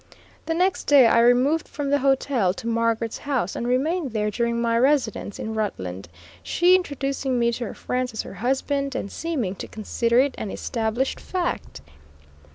The next day I removed from the hotel to Margaret's house and remained there during my residence in Rutland, she introducing me to her friends as her husband, and seeming to consider it an established fact.